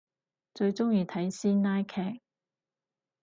最中意睇師奶劇